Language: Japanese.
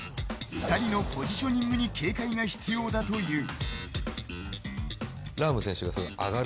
２人のポジショニングに警戒が必要だという。